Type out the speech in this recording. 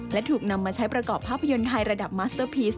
และถูกนำมาใช้ประกอบภาพยนตร์ไทยระดับมัสเตอร์พีช